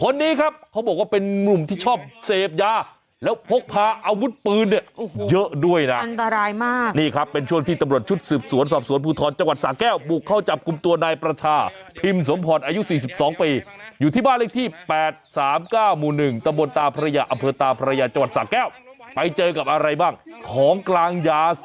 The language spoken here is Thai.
นี่ครับเขาบอกว่าเป็นมุมที่ชอบเสพยาแล้วพกพาอาวุธปืนเนี่ยเยอะด้วยนะอันตรายมากนี่ครับเป็นช่วงที่ตำรวจชุดสืบสวนสอบสวนภูทรจังหวัดสาแก้วบุกเข้าจับกลุ่มตัวนายประชาพิมพ์สมพรอายุสี่สิบสองปีอยู่ที่บ้านเลขที่แปดสามเก้าหมู่หนึ่งตะบนตาพระยาอำเภอตาพระยาจัง